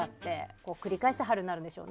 これを繰り返して春になるんでしょうね。